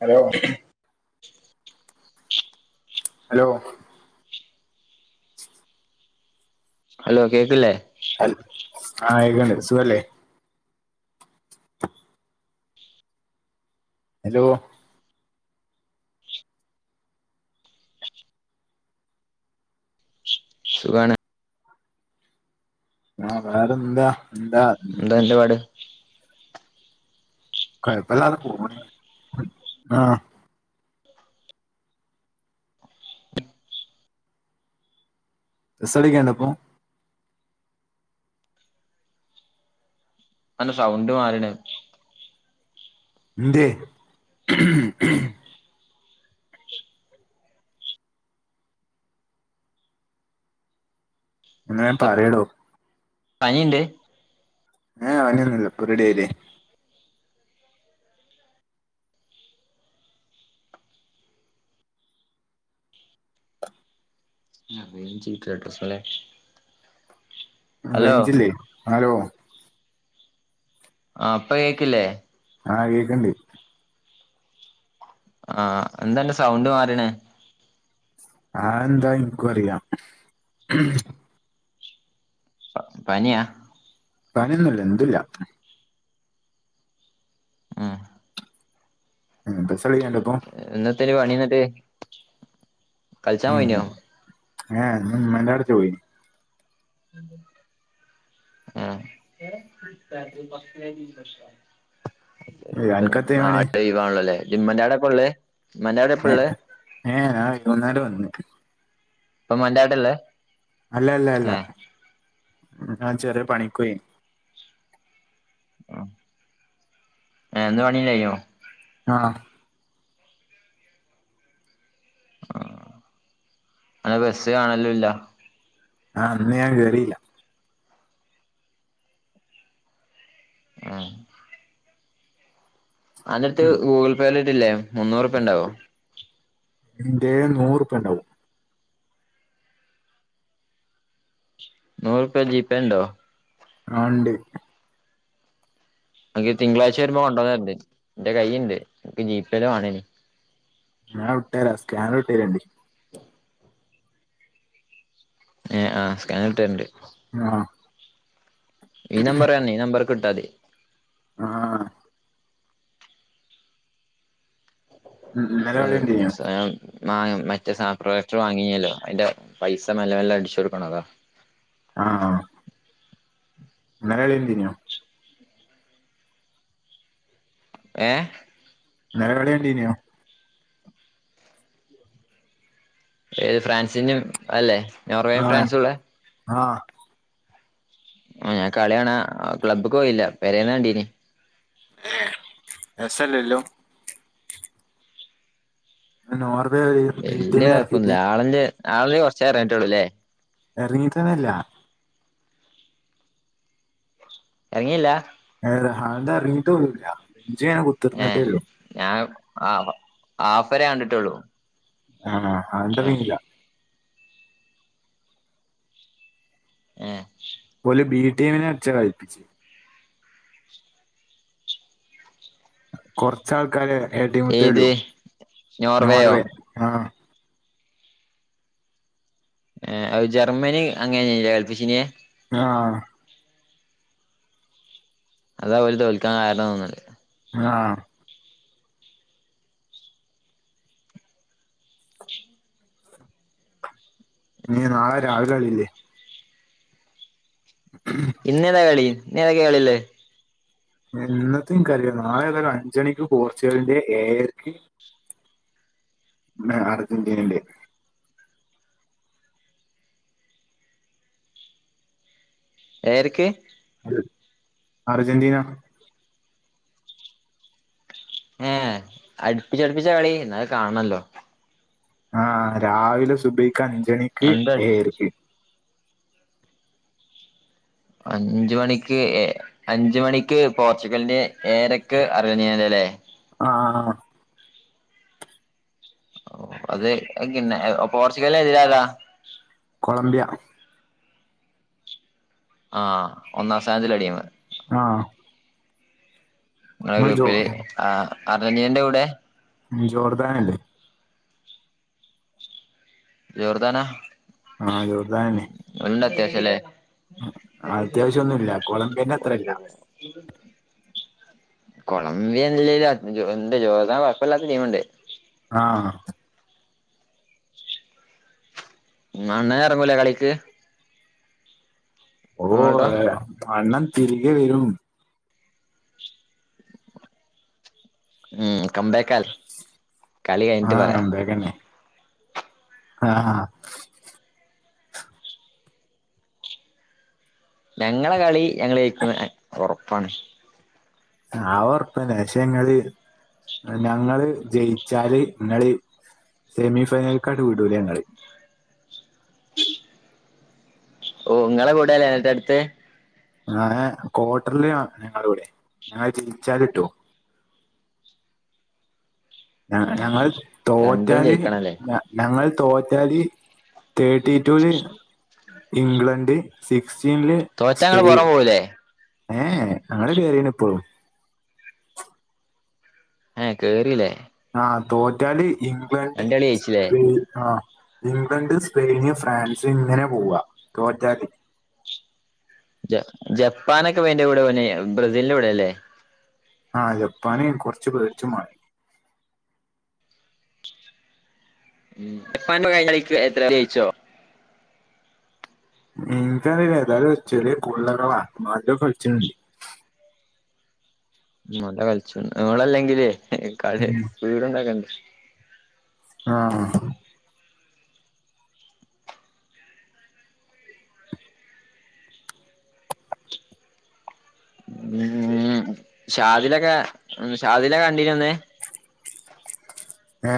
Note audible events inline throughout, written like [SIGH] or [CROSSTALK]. Hello hello hello കേക്കലേ ആഹ ഏകണ്ട സുഖ അല്ലേ ഹലോ സുഖണ ആഹ വേറെന്താ എന്താ എന്താ അന്റെ പാട് പ പോ ആഹ സ്ടിക്കണ്ടപ്പൊ അന്നെ സൗണ്ട് മാറണേ എന്ത്യെ? എന്ന ഞൻ എന്താ പറയടോ പനിണ്ട്? ഏ വനിയൊന്നില്ല പ്പൊറെടിയയിലെ. ആ ചീറ്റ അഡ്രസല്ലേ [INAUDIBLE] റേഞ്ചില്ലേ അലോ ആഹ് പ്പ കേക്കില്ലേ? ആഹ് കേക്കണ്ട് ആഹ എന്താന്റെ സൗണ്ട് മാറണ്? ആഹ എന്താ ഇന്ക്കും അറീല. പ പനിയാ? പനിയൊന്നുല്ല എന്തുല്ല. ആഹ ഉ പ ഇന്നത്തനി പണിന്നിട്ട് കളിച്ചാൻ ഉം പോയിനോ ഏ എന്ത അടച്ച പോയി [INAUDIBLE] ഉം [UNINTELLIGIBLE] അനക്കെന്തേ പണി നാളെ ഒയിവണല്ലേ ജിമ്മന്റെ ആടപ്പ ഉള്ളേ. ഏ ഏ ഇപ്പ നേരവന്നക്ക് ഇപ്പ മ്മന്റാടെള്ളെ അല്ല അല്ല അല്ല ഞാൻ ചെറിയ പണിക്കൊയിൻ. ഉ ഇന്ന് പണി ണ്ടായിന്നോ ആഹ ആ അനെ ബസ്സികാനലൂല്ല ആഹ അന്ന് ഞാൻ കേറിയില്ല ആഹ അന്റട്ത് ഗൂഗിൾ പേല് ഇട്ടില്ലേ മുന്നൂറുപ ഉണ്ടാവോ എന്റെ നൂറുപ്പ ഉണ്ടാവും. നൂറുപ ജീപേ ഉണ്ടോ? ആഹ് ണ്ട്. അനക് തിങ്കളാഴ്ച വരുമ്പോ കൊണ്ടുവന്നേരണ്ട് എന്റെ കൈയീണ്ട് എനിക്ക് ജീപല വണേന് ഞാൻ വിട്ടേരാ സ്കാനർ വിട്ടേരണ്ടണ്ട്. ഏ ആഹ് സ്കാന വിട്ടരണ്ട്. ആഹ ഈ നമ്പർ തന്നെ ഈ നമ്പർ വിട്ടാ മതി. ആഹ ഇ- ഇന്നലെ ഏ കളി കണ്ടിന്യോ [INAUDIBLE] മാ മറ്റേ സാപ്രഡർ വാങ്ങില്ലോ അതിന്റെ പൈസ മെല്ല മെല്ല അടിച്ചു കൊടുക്കണതാ. ആഹ ന്നല കളിന്റെനോ? ഏഹ്. ന്നലെ കളി കണ്ടിന്നോ? ഏത് ഫ്രാൻസിനും അല്ലെ ആ നോർവേയും ഫ്രാൻസുംള്ള? ആ ആ ഞാൻ കളിയാണ ക്ലബ്ബക്ക് പോയില്ല പെരെന്ന് കണ്ടീന്. ഏ എസല്ലല്ലോ [INAUDIBLE] നോർവേ ഈ ബീട്ടിമിനെ എറകീട്ട്. ആള കുറച്ചേറങ്ങിട്ടേള്ളൂല്ലേ? ഇറങ്ങി ട്ടെന്നില്ല ഇറങ്ങീല്ല [UNINTELLIGIBLE] ഇറങ്ങിയിട്ട് പോലുമില്ല [UNINTELLIGIBLE] കുത്തീരുന്നിട്ടെ ഒള്ളു ആഹ് ആഫരേ കണ്ടിട്ടുള്ളൂ ആഹ് ഏഹ് ഹാന്ററിങ് ഇല്ലാ ഏഹ് പോല് ബി ടീമിനെ വെച്ച് കളിപ്പിച്ച് കൊറച്ചാൾക്കാര് ഏ ടീമത്തേ വരൂ ഏത് നോർവേയോ [UNINTELLIGIBLE] ആഹ് ഏഹ് ജർമ്മനി അങ്ങനല്ലേ കളിപ്പിച്ചീനെ ആ അതാ പോല് തോൽക്കാൻ കാരണം തോന്നല് ആഹ് ഇനീ നാളെ രാവിലെ കളി ഇല്ലേ ഇന്നേതാ കളി ഇന്നേതൊക്കെയാ കളിയുള്ളേ ഇന്നത്തേയും കളി നാളെ ഏതായാലും അഞ്ച് മണിക്ക് പോർച്ചുഗലിന്റെ ഏഴരക്ക് അർജന്റീനേടെ ഏഴരക്ക് അർജന്റീന ഏഹ് അടുപ്പിച്ച് അടുപ്പിച്ചാ കളി എന്നാ അത് കാണണല്ലോ ആഹ് രാവിലെ സുബയ്ക്ക് അഞ്ചണിക്ക് രണ്ട് ഏർക്ക് അഞ്ച് മണിക്ക് ഏ അഞ്ച് മണിക്ക് പോർച്ചുഗലിന്റെ ഏരക്ക് അർജെന്റീനേടെ അല്ലേ ആ ഓ അത് പിന്നെ പോർച്ചുഗല് എതിരാരാ കൊളംബിയ ആഹ് ഒന്നാം സ്ഥാനത്തില് അടിയുന്നത് ആഹ് നിങ്ങടെ ഗ്രൂപ്പില് ആ അർജന്റീനേന്റെ കൂടെ ജോർദാനല്ലേ ജോർദാനാ ആഹ് ജോർദാനന്നെ ഓലുണ്ട് അത്യാവശ്യം അല്ലേ അത്യാവശ്യം ഒന്നുമില്ല കൊളമ്പിയേന്റെ അത്രയില്ല കൊളംബിയ ഇല്ലേലും അർ ഉണ്ട് ജോർദാൻ കുഴപ്പില്ലാത്ത ടീമുണ്ട് ആഹ് ഉം അണ്ണൻ ഇറങ്ങൂലേ കളിക്ക് ഓ റൊണാൾഡോ അണ്ണൻ തിരികെ വരും ഉം കം ബാക്ക് ആൽ കളി കഴിഞ്ഞിട്ട് പറയാം ആഹാ ഞങ്ങളെ കളി ഞങ്ങള് ജയിക്കുമെന്ന് ഉറപ്പാണ് ആ ഉറപ്പാന്ന് പക്ഷെ ഇങ്ങള് ഞങ്ങള് ജയിച്ചാല് നിങ്ങള് സെമി ഫൈനലക്കട് വിടൂല ഞങ്ങള് [INAUDIBLE] ഓ നിങ്ങളെ കൂടെയല്ലേ എന്നട്ട് അടുത്തേ ഞാന് ക്വാട്ടറില് ഞങ്ങടെ കൂടെയാ ഞങ്ങള് ജനിച്ചാലിട്ടുവോ ഞ ആഹ് ഞങ്ങൾ രണ്ടും തോറ്റാല് ജയിക്കണല്ലേ ഞങ്ങൾ തോറ്റാല് തേർട്ടി ടു വില് ഇംഗ്ലണ്ട് സിക് സിക്സ്റ്റീനില് തോറ്റാ ഇങ്ങള് സ്പെയിൻ പുറം പോവൂലേ ഏഹ് ഞങ്ങള് കേറിന് ഇപ്പൊഴും ഏഹ് കേറിയില്ലേ ആഹ് തോറ്റാല് ഇംഗ്ലണ്ട് രണ്ട് കളി ജയിച്ചില്ലേ സ്പെയിൻ ആഹ് ഇംഗ്ലണ്ട് സ്പെയിന് ഫ്രാൻസ് ഇങ്ങനെ പോവാ തോറ്റാല് ജപ്പാനൊക്കെ വന്റെ കൂടെ പോന്നെ ബ്രസീലിന്റെ കൂടെല്ലേ ആഹ ജപ്പാന് കൊറച്ച്ു പേടിച്ചു മാറി ഉ ജപ്പാന്റെ കഴിഞ്ഞ കളിക്ക് എത്ര ജയിച്ചോ എനിക്കറിയില ഏതായാലും ചെറിയ പിള്ള ബാകി കഴിച്ചണ്ട് മള കളിച്ച നിളല്ലെങ്കിലള സ്പീഡ ഉണ്ടാക്കണ്ട ആഹ് ഉ ഷാദിലൊക്കെ ഷാദിലൊക്കെ കണ്ടിരന്നേ ഏ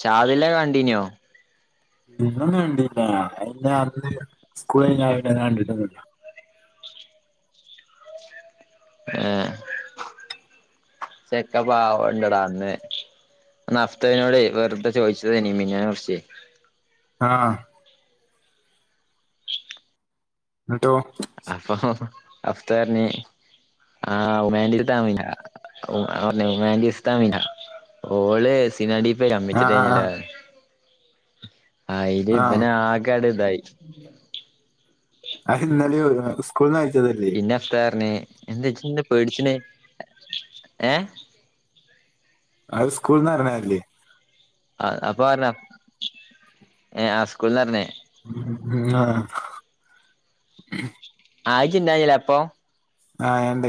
ഷാദില്ല കണ്ടീന്നാ ഇന്നും കണ്ടില്ല അതിറെ അന്ന് സ്കൂള കണ്ടിട്ടന്നില്ല ആഹ ചെക്ക പാവം ഉണ്ടടാന്ന് ഫ്തവിനോട് വെറുത ചോദിച്ചത്നി മിനെ കുറച്ചേ ആഹ എന്നിട്ടോ അഫത്തർ പറഞ്ഞു ആഹ ഉമാൻ തമ ഉമാൻ താമന ഓള് സിനടിപ്പ കമ്മിച്ചിട്ട് ആഹ് ആഹ് കഞ്ഞല്ലേ ആ അല് ആഹ് ആഹ് ഇപ്പനെ ആക്കാട് ഇതായി അ ഇന്നാലെ സ്കൂൾ ന ആയി പിന്നെ അഫ്ത പററിന എന്താ വച്ച പേടിച്ചന് ഏ അത് സ്കൂൾന്ന് അറിഞ്ഞല്ലേ ആ അപ്പൊ അരഞ്ഞ ഏ ആ സ്കൂളിൽ അരിഞ്ഞേ ആഹ ആയി ചിന്താില്ലേ അപ്പൊ ആഹ ണ്ട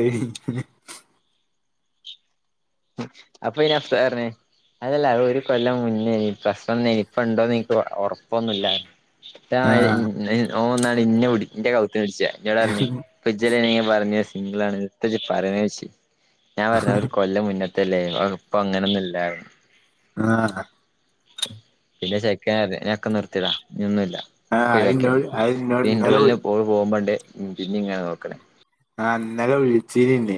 അപ്പൊ ഇനി അതരനേ അതല്ല ഒരു കൊല്ലം മുന്നേ പ്രശ്നം ഇനിപ്പ ഉണ്ടോന്ന് എനിക്ക് ഉറപ്പൊന്നുമില്ലായിരുന്നു ആ ആഹ് ഓ ഒന്നാണ് ഇന്നെ വിന്റെ കൗത്തി വിടിച്ച ഞോ പറഞ്ഞ ഇ പറഞ്ഞ സിംഗിളാണ് പറ വെച്ച ഞാൻ പറഞ്ഞ ഒരു കൊല്ല മുന്നെ അല്ലേ അപ്പ അങ്ങനൊന്നുമല്ലായി ആഹ പിന്നെ ചെക്കൻ നക്കെ നിർത്തിടാ നീ ഒന്നും ആഹ് അത് വാക്ക ഇന്നോട് അത് ഇന്നോട് പിന്നെ ഇന്നലെ വി ഇന്റർവെലന് പോ പോകുമ്പോണ്ട് പിന്നെ ഇങ്ങനെ നോക്കണേ ആ അന്നലെ ഒഴിച്ചിരന്നെ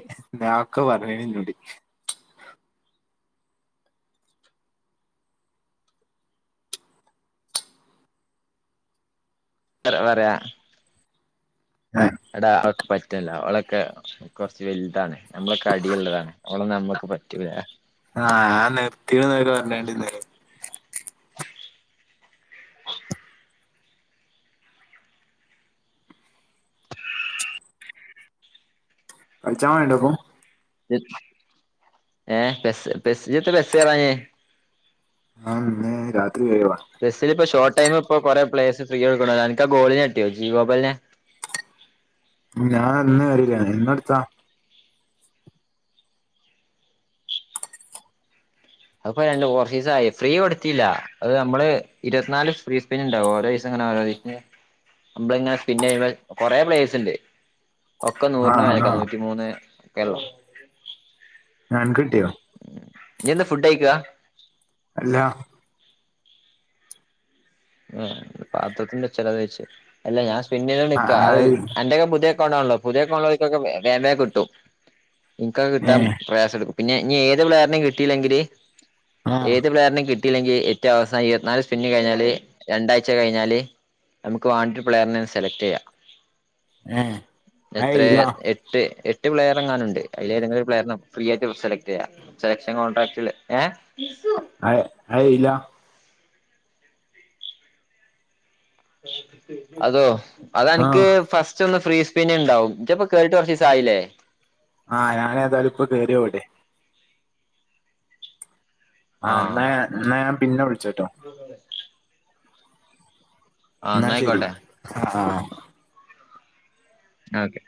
ഒക്കെ പറഞ്ഞന ഇന്നൂടി വ വരാ ആഹ് എടാ അവൊക്ക്െ പറ്റില്ല അവളൊക്കെ കുറച്ച് വലുതാണ് നമ്മള ക അടിിയള്ളതാണ് അവവിടെ നമ്മക്ക് പറ്റൂല ആഹ ഞൻ നിർത്തി നേര പറഞ്ഞണ്ടിന്നേരം കഴിച്ചാ വേണണ്ടോപ്പ ഏ പെ ബസ് കയറഞെ ആഹ രാത് ബസലിപ്പം ഷോർട്ട് ടൈമ ഇപ്പൊ കൊറെ പ്ലേസ് ഫ്രീടുക്ക എനക്ക്ാ ഗോളിന്ട്ടിയോ ജി ഗോബലിനെ ഞാൻന്ന വരില്ല ഇന്ന എടുത്താ അത് കുറ ദിവസ ആ ഫ്രീ കൊടുത്തില്ല അത് നമ്മള് ഇരുപത്തിനാല് ഫ്രീ സ്പിൻ ഉണ്ടാവക ഓരോ ദിവസ നമ്മള ഇങ്ങനെ സ്പിൻ ചെയുമ്പ കൊറേ പ്ലേസ് ഉണ്ട് ഒക്കെ നൂറിന ആഹ് വേനക്ക ആഹ് നൂറ്റിമൂന്ന് ഒക്കെള്ളോ ഞാൻ കിട്ടിയോ ഇനി എന്താ ഫുഡ് കയ്ക്കാ അല്ല പാത്രത്തിന്റെ ചിലത് വെ അല്ല ഞാൻ്പിന്ന നിക്ക അ ആയി അന്റെൊക്കെ പുധയ കൊണണല്ലോ പുതിയേ കൊണോക്കൊക്കെ വേമേ കിട്ടും നിനിക്കൊക്കെ ഏ കിട്ടാൻ പ്രയാസ എടുക്കും പിന്നെ നനി ഏത് പ്ലെയറിനെയും കിട്ടിയില്ലെങ്കില് ആ ഏത് പ്ലെയറിനും കിട്ടി കിട്ടില്ലെങ്കിൽ ഏവും അവസ ഇരുപനാല് സ്പിന്ന കഴഞ്ഞാല് രണ്ടാഴ്ച കഴിഞ്ഞാല് നമുക്ക് വേണ്ടി പ്ലെയറിനെന്ന് സെലക്ട് ചെയ്യാം ഏ എത്ര അയില്ല എട്ട് എട്ട എ് പ്ലെയർ എങ്ങാനുണ്ട് അതില ഏത പ്ലെയറിന ഫ്രീ ആയിട്ട് സെലക്ട് ചെയ്യാം സെലക്ഷൻ കോൺട്രാക് ഏ അ അയ ഇല്ല അതോ അത ആ എനിക്ക് ഫസ്റ്റ് ഒന്ന് ഫ്രീ സ്പിന്ന ഉണ്ടാവുംപ്പ കേറിട്ട് കുറച്ച് ദിവസം ആയില്ലേ ആഹ് ഞാന ഏതായാലും ഇപ്പ കേയറിയോടെെ ആഹ ആഹ് ഞാൻ പിന്നെ വിളിച്ചട്ടോ ആഹ് എന്നാ ശരി എന്നായിക്കോട്ടെ ആ ആ ഓക്കെ